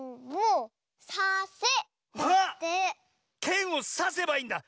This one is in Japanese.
けんをさせばいいんだ！